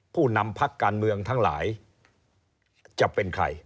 ผู้นำพักการเมืองทั้งหลายจะเป็นใคร